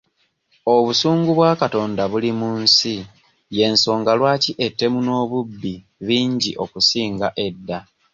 Obusungu bwa Katonda buli mu nsi y'ensonga lwaki ettemu n'obubbi bingi okusinga edda.